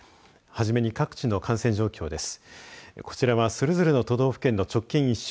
初めに各地の感染状況です。